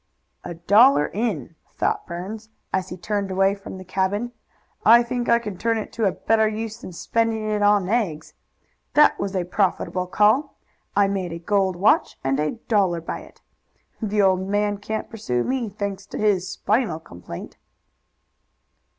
"A dollar in!" thought Burns, as he turned away from the cabin. "I think I can turn it to a better use than spending it in eggs. That was a profitable call. I made a gold watch and a dollar by it. The old man can't pursue me, thanks to his spinal complaint."